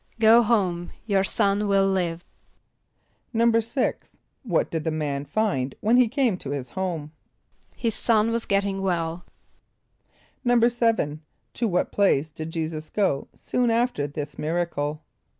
="Go home; your son will live."= =6.= What did the man find when he came to his home? =His son was getting well.= =7.= To what place did J[=e]´[s+]us go soon after this miracle?